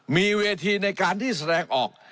มีเวทีในการที่แสดงออก